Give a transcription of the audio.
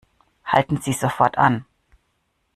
Halten Sie sofort an!